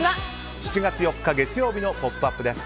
７月４日、月曜日の「ポップＵＰ！」です。